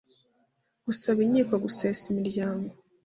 gusaba inkiko gusesa imiryango